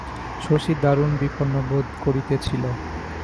শশী দারুণ বিপন্ন বোধ করিতেছিল।